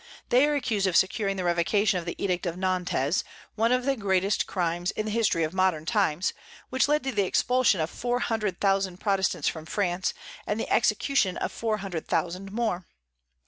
They are accused of securing the revocation of the Edict of Nantes, one of the greatest crimes in the history of modern times, which led to the expulsion of four hundred thousand Protestants from France, and the execution of four hundred thousand more.